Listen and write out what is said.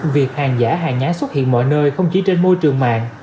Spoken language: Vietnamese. việc hàng giả hàng nhái xuất hiện mọi nơi không chỉ trên môi trường mạng